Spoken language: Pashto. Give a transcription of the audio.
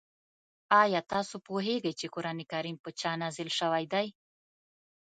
آیا تاسو پوهېږئ چې قرآن کریم په چا نازل شوی دی؟